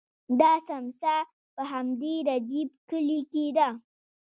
دا څمڅه په همدې رجیب کلي کې ده.